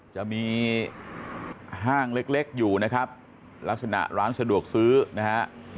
จะมีห้างเล็กอยู่นะครับลักษณะร้านสะดวกซื้อนะฮะ